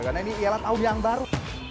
karena ini ialah tahun yang baru